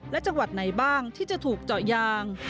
และจังหวัดไหนบ้างที่จะถูกเจาะยาง